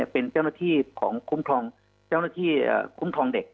เป็นเจ้าหน้าที่ของคุ้มครองเจ้าหน้าที่คุ้มครองเด็ก